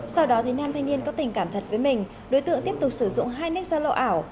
sau đó thì nam thanh niên có tình cảm thật với mình đối tượng tiếp tục sử dụng hai nixalo ảo